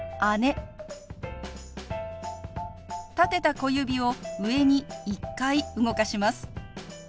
立てた小指を上に１回動かします。